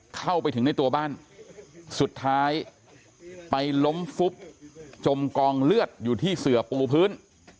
เข้าไปถึงในตัวบ้านสุดท้ายไปล้มฟุบจมกองเลือดอยู่ที่เสือปูพื้น